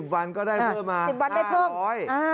๑๐วันก็ได้เพิ่มมา๕๐๐